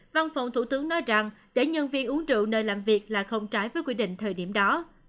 văn phòng thủ tướng nói rằng để nhân viên uống rượu nơi làm việc là không trái với quy định thời điểm đó